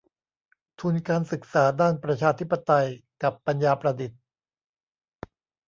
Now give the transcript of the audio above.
ทุนการศึกษาด้านประชาธิปไตยกับปัญญาประดิษฐ์